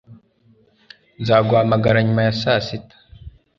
Nzaguhamagara nyuma ya sasita